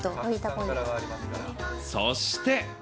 そして。